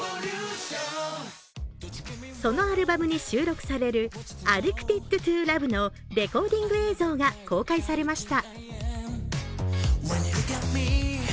そのアルバムに収録される「ＡＤＤＩＣＴＥＤＴＯＬＯＶＥ」のレコーディング映像が公開されました。